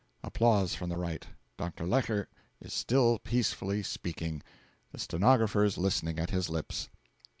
(Applause from the Right. Dr. Lecher is still peacefully speaking, the stenographers listening at his lips.)